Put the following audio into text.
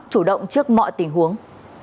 chủ động trước mọi tình huống